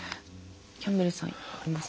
キャンベルさんありますか？